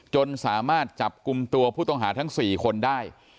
จนสามารถจับกลุ่มตัวผู้ต้องหาทั้ง๔คนได้